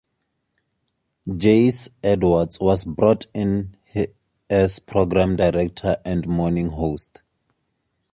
Jace Edwards was brought in as Program Director and Morning Host.